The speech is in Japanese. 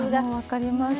分かります。